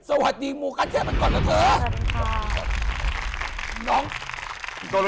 สวัสดีจอดใจหมูคันเทพก่อนกับเธอ